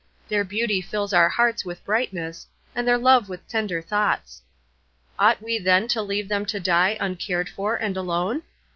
Their beauty fills our hearts with brightness, and their love with tender thoughts. Ought we then to leave them to die uncared for and alone?